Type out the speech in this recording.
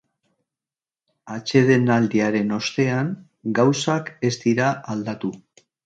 Atsedenaldiaren ostean gauzak ez dira aldatu.